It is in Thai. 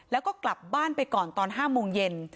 แล้วก็กลับบ้านไปก่อนตอน๕โมงเย็น